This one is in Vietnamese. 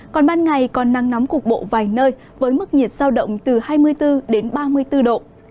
còn ban ngày còn nắng nóng cục bộ vài nơi với mức nhiệt giao động từ hai mươi bốn đến ba mươi bốn độ